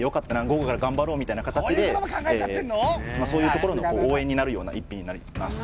午後から頑張ろうみたいな形でまあそういうところの応援になるような一品になります